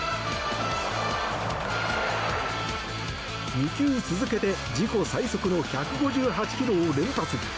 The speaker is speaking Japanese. ２球続けて自己最速の１５８キロを連発。